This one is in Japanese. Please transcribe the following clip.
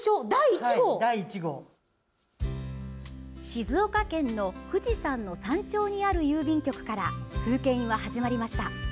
静岡県の富士山の山頂にある郵便局から風景印は始まりました。